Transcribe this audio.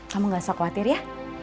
kamu gak usah khawatir ya